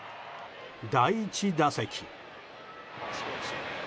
第１打席。